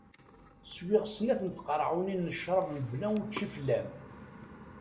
Swiɣ snat n tqaɛunin n crab mebla učči fell-am.